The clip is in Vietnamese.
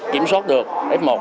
kiểm soát được f một